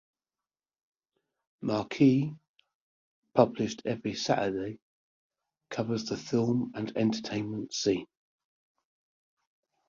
"Marquee", published every Saturday, covers the film and entertainment scene.